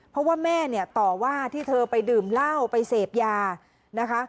เพราะว่าแม่เนี่ยต่อว่าที่เธอไปดื่มเหล้าไปเสพยานะคะ